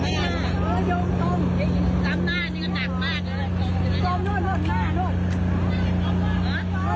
ซ้ำหน้านี้ก็หนักมาก